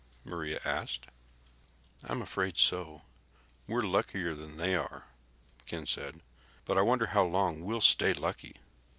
Maria asked. "I'm afraid so. We're luckier than they are," Ken said, "but I wonder how long we'll stay lucky."